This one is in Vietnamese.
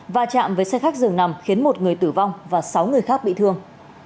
và chạm với xe khách dường nằm khiến một người tử vong và sáu người khác bị thương